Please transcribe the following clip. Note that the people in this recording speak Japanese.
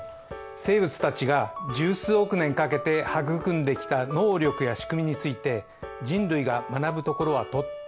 生物たちが十数億年かけて育んできた能力や仕組みについて人類が学ぶところはとっても大きいんだ。